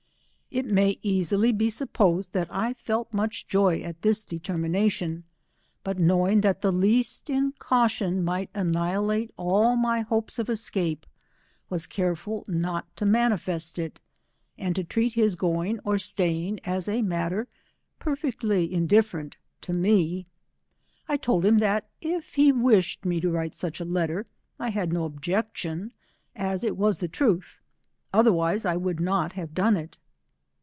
It may easily be supposed that I felt much joy at this determination, but knowing that the least incaution might annihilate all my hopes of escape^ was careful not to manifest it, and to treat his going or staying as a matter perfect" ly indilTerent to me. 1 told him that if he wished me to write such a letter, I had do objection, as it was the truth, otherwise I could not have done it.